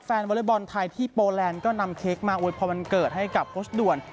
วอเล็กบอลไทยที่โปแลนด์ก็นำเค้กมาอวยพรวันเกิดให้กับโค้ชด่วน